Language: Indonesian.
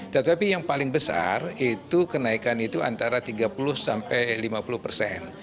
tetapi yang paling besar itu kenaikan itu antara tiga puluh sampai lima puluh persen